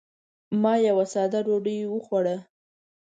ما یوه ساده ډوډۍ وخوړه.